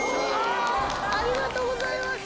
ありがとうございます。